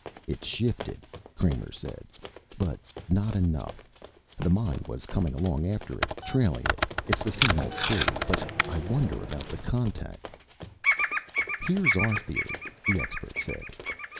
"It shifted," Kramer said. "But not enough. The mine was coming along after it, trailing it. It's the same old story, but I wonder about the contact." "Here's our theory," the expert said.